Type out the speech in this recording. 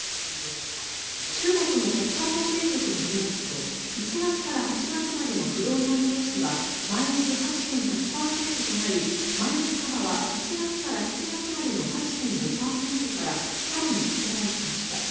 中国の国家統計局によりますと１月から８月までの不動産投資はマイナス８．８％となりマイナス幅は１月から８月までの８．５％から更に拡大しました。